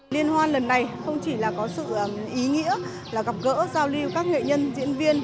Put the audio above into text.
liên hoan lần này không chỉ là có sự ý nghĩa là gặp gỡ giao lưu các nghệ nhân diễn viên